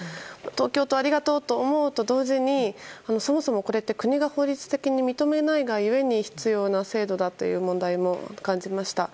東京都ありがとうと思うと同時にそもそもこれって国が法律的に認めないがゆえに必要な制度だという問題も感じました。